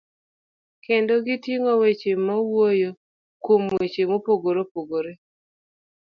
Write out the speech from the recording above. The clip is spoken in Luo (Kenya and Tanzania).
kendo giting'o weche mawuoyo kuom weche mopogore opogore.